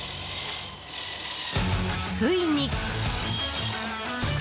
ついに。